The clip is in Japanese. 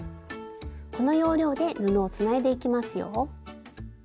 この要領で布をつないでいきますよ。